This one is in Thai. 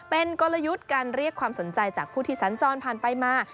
เป็นกลยุทธ์การเรียกความสนใจจากผู้ที่สัญจรผ่านไปมา